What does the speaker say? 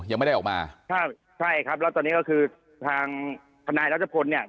ยังไม่ได้ออกมาใช่ครับแล้วตอนนี้ก็คือทางทนายรัชพลเนี่ย